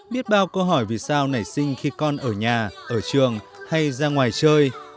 biết bao câu hỏi vì sao nảy sinh khi con ở nhà ở trường hay ra ngoài chơi